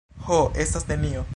Ho, estas nenio.